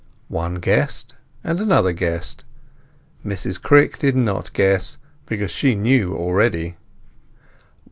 One guessed, and another guessed. Mrs Crick did not guess, because she knew already.